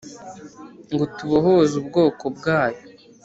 Ngo tubohoze ubwoko bwayo